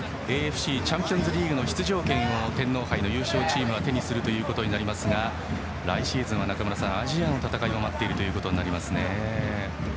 ＡＦＣチャンピオンズリーグの出場権を天皇杯の優勝チームは手にすることになりますが来シーズンは中村さん、アジアの戦いが待っていることになりますね。